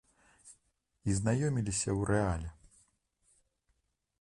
І знаёміліся ў рэале.